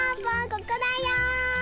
ここだよ！